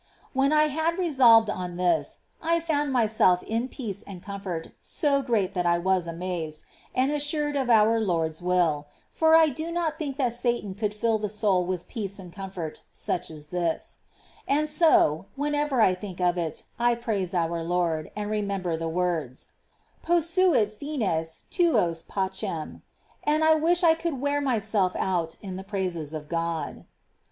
2. When I had resolved on this, I found myself in peace and comfort so great that I was amazed, and assured of our Lord's will ; for I do not think that Satan could fill the soul with peace and comfort such as this : and so, when ever I think of it, I praise our Lord, and remember the words, *' posuit fines tuos pacem,"^ and I wish I could wear myself out in the praises of God.